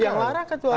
yang larang ketua mk